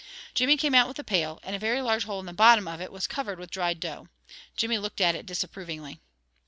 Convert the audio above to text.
Jimmy came out with the pail, and a very large hole in the bottom of it was covered with dried dough. Jimmy looked at it disapprovingly.